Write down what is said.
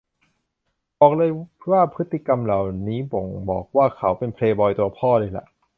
บอกเลยว่าพฤติกรรมเหล่านี้บ่งบอกว่าเขาเป็นเพลย์บอยตัวพ่อเลยล่ะ